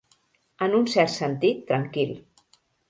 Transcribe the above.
En un cert sentit, tranquil.